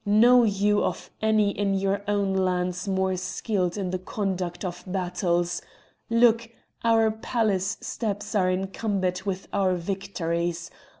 Know you of any in your own lands more skilled in the conduct of battles? Look! our palace steps are encumbered with our victories!